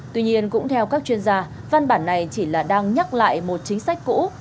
tuy nhiên cũng theo các chuyên gia văn bản này chỉ là đang nhắc lại một chính sách cũ